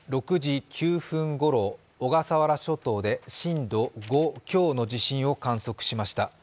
６時９分ごろ小笠原諸島で震度５強の地震を観測しました。